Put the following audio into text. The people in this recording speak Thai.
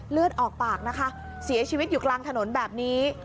เลือดออกปากนะคะเสียชีวิตอยู่กลางถนนแบบนี้